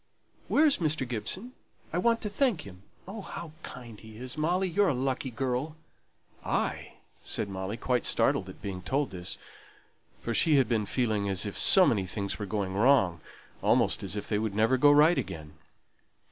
Where is Mr. Gibson? I want to thank him. Oh, how kind he is! Molly, you're a lucky girl!" "I?" said Molly, quite startled at being told this; for she had been feeling as if so many things were going wrong, almost as if they would never go right again.